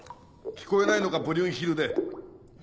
聞こえないのかブリュンヒルデ。